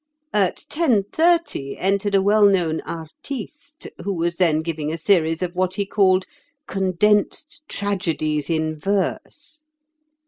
At ten thirty entered a well known artiste who was then giving a series of what he called 'Condensed Tragedies in Verse.